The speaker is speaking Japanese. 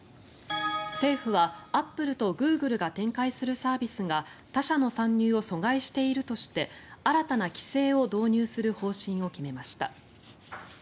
政府はアップルとグーグルが展開するサービスが他社の参入を疎外しているとして新たな規制を導入する方針を決めました。